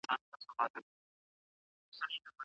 حق بايد په ټولو يو شان پلي سي.